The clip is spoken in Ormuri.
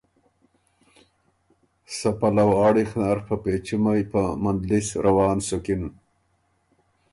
سۀ پلؤ آړِخ نر په پېچُمئ په مندلِس روان سُکِن۔